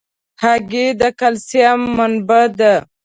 هګۍ د کلسیم منبع ده.